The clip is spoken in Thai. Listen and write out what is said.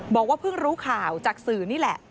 บอกว่าเพิ่งรู้ข่าวจากสื่อนี่แหละ